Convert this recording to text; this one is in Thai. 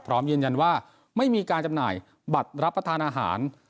พร้อมยืนยันว่าไม่มีการจำหน่ายบัตรรับประทานอาหาร